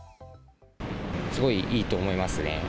すごいいいと思いますね。